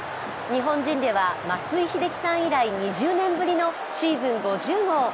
日本人では松井秀喜さん以来、２０年ぶりのシーズン５０号。